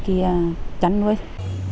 để tránh bệnh